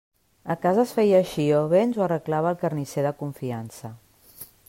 A casa es feia així o bé ens ho arreglava el carnisser de confiança.